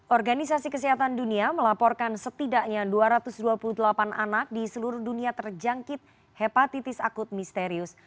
organisasi kesehatan dunia melaporkan setidaknya dua ratus dua puluh delapan anak di seluruh dunia terjangkit hepatitis akut misterius